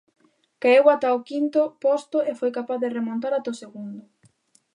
Caeu ata o quinto posto e foi capaz de remontar ata o segundo.